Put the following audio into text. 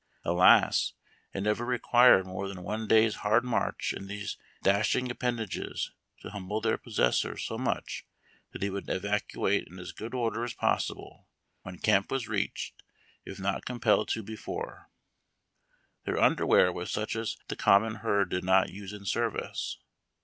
Alas ! it never required more than one day's hard march in these dashing appen dages to humble their possessor so much that he would evacuate in as good order as possible when camp was reached, if not compelled to. before. Their underwear was such as the common herd did not use in service.